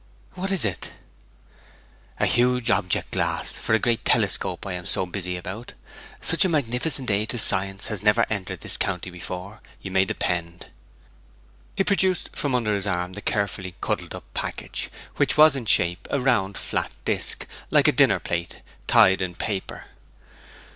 'What is it?' 'A huge object glass for the great telescope I am so busy about! Such a magnificent aid to science has never entered this county before, you may depend.' He produced from under his arm the carefully cuddled up package, which was in shape a round flat disk, like a dinner plate, tied in paper.